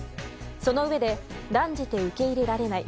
そのうえで断じて受け入れられない。